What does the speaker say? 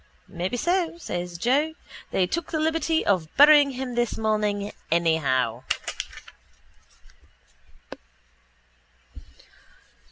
—Maybe so, says Joe. They took the liberty of burying him this morning anyhow.